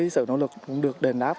sự nỗ lực cũng được đền đáp